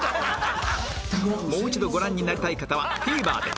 もう一度ご覧になりたい方は ＴＶｅｒ で